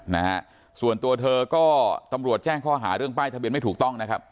นะฮะส่วนตัวเธอก็ตำรวจแจ้งข้อหาเรื่องป้ายทะเบียนไม่ถูกต้องนะครับ